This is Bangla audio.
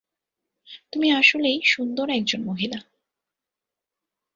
তুমি আসলেই সুন্দর একজন মহিলা।